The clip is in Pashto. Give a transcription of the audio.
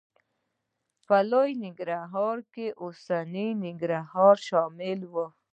په لوی ننګرهار کې اوسنی ننګرهار شامل و.